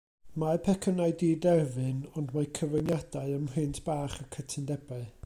Mae pecynnau diderfyn ond mae cyfyngiadau ym mhrint bach y cytundebau.